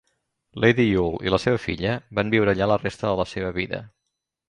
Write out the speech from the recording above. Lady Yule i la seva filla van viure allà la resta de la seva vida.